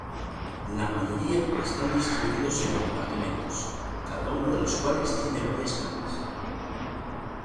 La mayoría están distribuidos en compartimentos, cada uno de los cuales tiene varias camas.